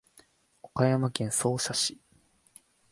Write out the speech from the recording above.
岡山県総社市